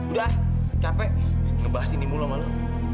udah capek ngebahas ini mulu sama lo